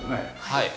はい。